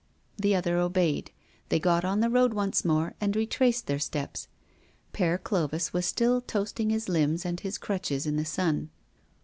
The other obeyed. They got on the road once more, and retraced their steps. Père Clovis was still toasting his limbs and his crutches in the sun.